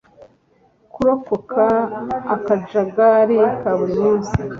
kurokoka akajagari ka buri munsi